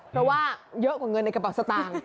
เพราะว่าเยอะกว่าเงินในกระเป๋าสตางค์